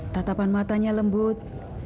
tatapan matanya lembut